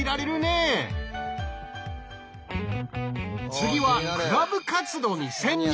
次はクラブ活動に潜入。